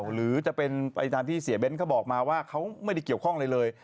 หรือจะเป็นไปตามที่เสียเบ้นเขาบอกมาว่าเขาไม่ได้เกี่ยวข้องอะไรเลย